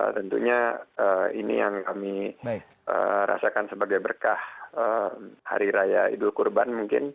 tentunya ini yang kami rasakan sebagai berkah hari raya idul kurban mungkin